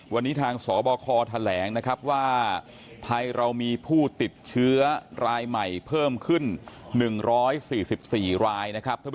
วันนี้ทางสบคแถลงว่าไพรเรามีผู้ติดเชื้อรายใหม่เพิ่มขึ้น๑๔๔ราย